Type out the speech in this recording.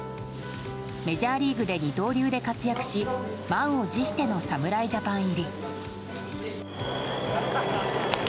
メジャーリーグで二刀流で活躍し満を持しての侍ジャパン入り。